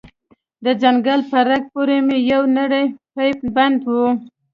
د څنگل په رگ پورې مې يو نرى پيپ بند و.